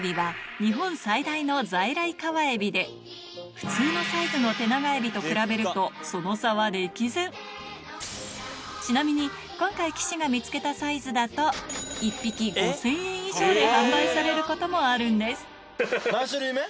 普通のサイズのテナガエビと比べるとその差は歴然ちなみに１匹５０００円以上で販売されることもあるんです何種類目？